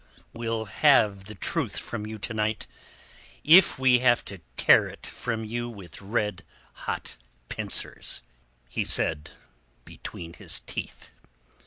"We'll have the truth this night if we have to tear it from you with red hot pincers," he said between his teeth.